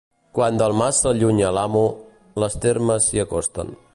Quan del mas s'allunya l'amo, les termes s'hi acosten.